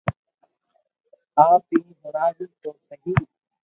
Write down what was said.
آپ ھي ھڻاو تو سھي